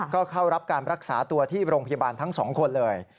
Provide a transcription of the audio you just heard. ก็เข้ารับการรักษาตัวที่โรงพยาบาลทั้งสองคนเลย